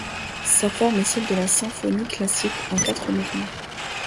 Sa forme est celle de la symphonie classique en quatre mouvements.